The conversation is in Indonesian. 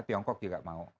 tiongkok juga mau